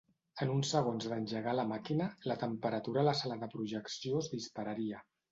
En uns segons d'engegar la màquina, la temperatura a la sala de projecció es dispararia.